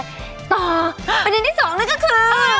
ต่อประเด็นที่๒แล้วก็คือ